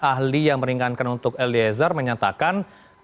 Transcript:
ahli yang meringankan untuk eliezer menyatakan